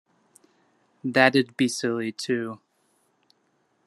That'd be silly too.